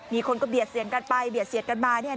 มีคนก็เบียดเสียงกันไปเบียดเสียดกันมา